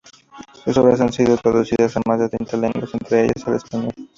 Sus obras han sido traducidas a más de treinta lenguas, entre ellas el español.